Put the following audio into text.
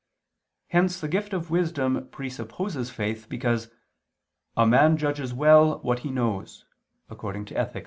Hence the gift of wisdom presupposes faith, because "a man judges well what he knows" (Ethic.